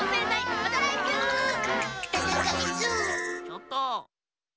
ちょっと！